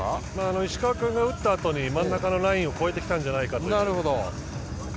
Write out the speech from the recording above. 石川君が打ったあとに真ん中のラインを越えてきたんじゃないかという。